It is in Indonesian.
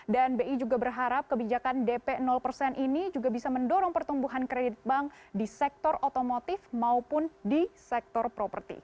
dan bi juga berharap kebijakan dp persen ini juga bisa mendorong pertumbuhan kredit bank di sektor otomotif maupun di sektor property